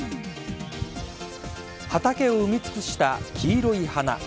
畑を埋め尽くした黄色い花。